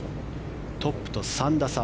トップと３打差。